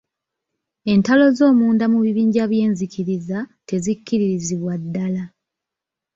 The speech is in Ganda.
Entalo z'omunda mu bibinja by'enzikiriza tezikkirizibwa ddaala.